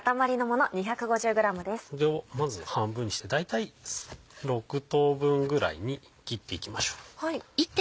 これをまず半分にして大体６等分ぐらいに切っていきましょう。